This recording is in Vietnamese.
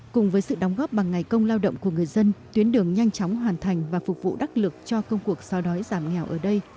cùng với sự đóng góp bằng ngày công lao động của người dân tuyến đường nhanh chóng hoàn thành và phục vụ đắc lực cho công cuộc sao đói giảm nghèo ở đây